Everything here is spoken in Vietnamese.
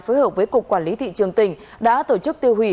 phối hợp với cục quản lý thị trường tỉnh đã tổ chức tiêu hủy